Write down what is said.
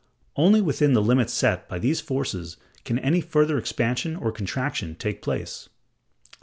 Only within the limits set by these forces can any further expansion or contraction take place.